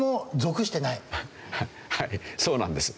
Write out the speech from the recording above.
はいそうなんです。